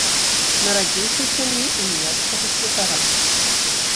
Нарадзіўся ў сям'і уніяцкага святара.